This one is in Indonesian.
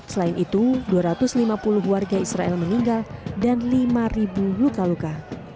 selain itu dua ratus lima puluh warga israel meninggal dan lima luka luka